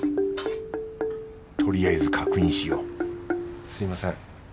とりあえず確認しようすみません。